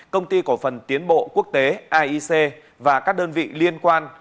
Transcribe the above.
công ty cổ phần tiến bộ quốc tế aic và các đơn vị liên quan